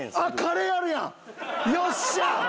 よっしゃ！